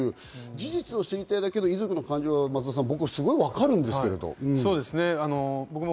事実を知りたいだけの遺族の感情、僕、すごくわかるんですけれども。